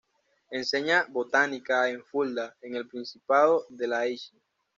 Enseña botánica en Fulda, en el principado de la Hesse.